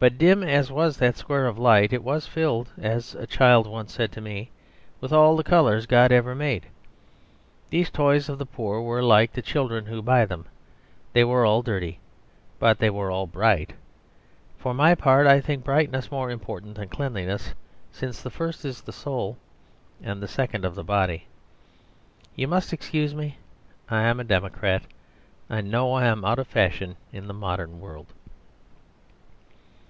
But dim as was that square of light, it was filled (as a child once said to me) with all the colours God ever made. Those toys of the poor were like the children who buy them; they were all dirty; but they were all bright. For my part, I think brightness more important than cleanliness; since the first is of the soul, and the second of the body. You must excuse me; I am a democrat; I know I am out of fashion in the modern world.